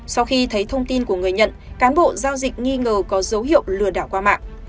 sau khi thấy thông tin của người nhận cán bộ giao dịch nghi ngờ có dấu hiệu lừa đảo qua mạng